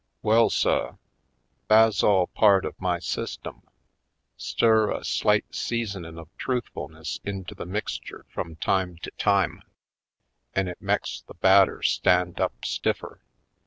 Well, suh, tha's all part of my sys tem: Stir a slight seasonin' of truthfulness into the mixture frum time to time an' it meks the batter stand up stififer.